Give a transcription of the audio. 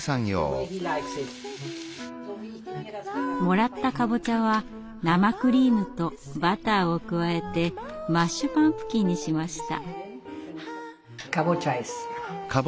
もらったカボチャは生クリームとバターを加えてマッシュパンプキンにしました。